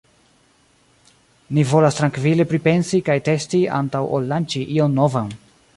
Ni volas trankvile pripensi kaj testi antaŭ ol lanĉi ion novan.